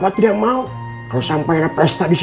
bapak tidak mau kalo sampai ada pesta disini